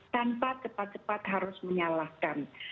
tanpa cepat cepat harus menyalahkan